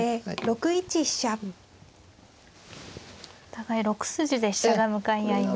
お互い６筋で飛車が向かい合いました。